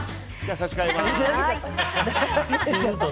差し替えます。